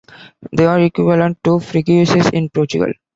They are equivalent to "freguesias" in Portugal.